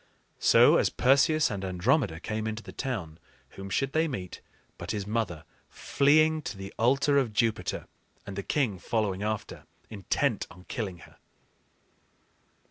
So, as Perseus and Andromeda came into the town, whom should they meet but his mother fleeing to the altar of Jupiter, and the king following after, intent on killing her?